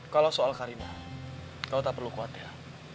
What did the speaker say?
kalau soal karina kau tak perlu kuat ya